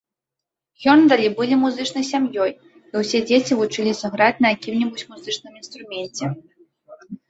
Хёрндалі былі музычнай сям'ёй, і ўсе дзеці вучыліся граць на якім-небудзь музычным інструменце.